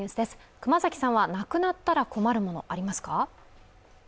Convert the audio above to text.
熊崎さんはなくなったら困るもの、ありますか？